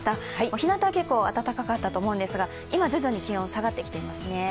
ひなた、結構暖かかったですが今、徐々に気温下がってきています